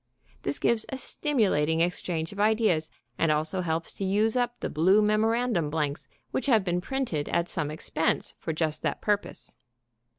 This gives a stimulating exchange of ideas, and also helps to use up the blue memorandum blanks which have been printed at some expense for just that purpose.